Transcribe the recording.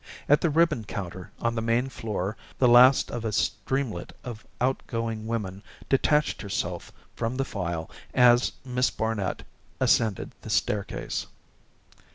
At the ribbon counter on the main floor the last of a streamlet of outgoing women detached herself from the file as Miss Barnet ascended the staircase.